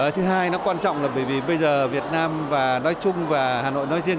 thứ hai nó quan trọng là bây giờ việt nam và nói chung và hà nội nói riêng